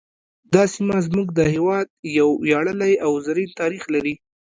دا سیمه زموږ د هیواد یو ویاړلی او زرین تاریخ لري